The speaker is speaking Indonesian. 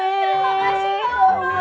terima kasih allah